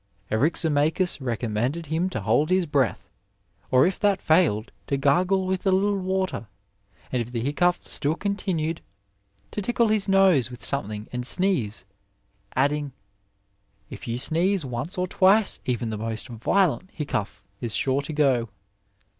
'' Eryximachus recommended him to hold his breath, or if that failed to gargle with a little water, and if the hic cough still continued, to tickle his nose with something and sneeze, adding, " if you sneeze once or twice even the most violent hiccough is sure to go."